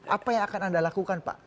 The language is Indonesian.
apa yang akan anda lakukan pak